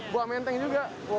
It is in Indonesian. buah menteng juga